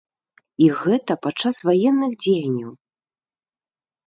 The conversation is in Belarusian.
І гэта падчас ваенных дзеянняў!